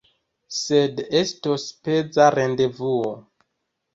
Sed estos peza rendevuo.